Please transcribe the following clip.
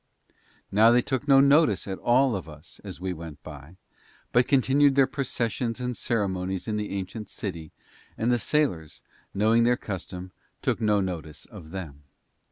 Now they took no notice at all of us as we went by, but continued their processions and ceremonies in the ancient city, and the sailors, knowing their custom, took no notice of them.